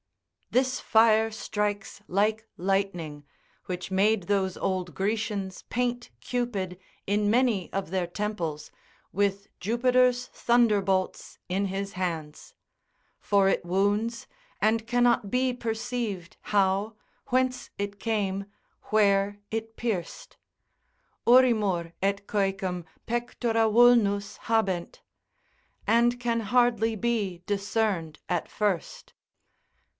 This fire strikes like lightning, which made those old Grecians paint Cupid, in many of their temples, with Jupiter's thunderbolts in his hands; for it wounds, and cannot be perceived how, whence it came, where it pierced. Urimur, et coecum, pectora vulnus habent, and can hardly be discerned at first.